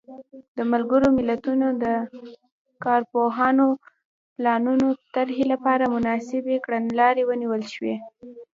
د ملګرو ملتونو د کارپوهانو د پلانونو طرحې لپاره مناسبې کړنلارې ونیول شوې.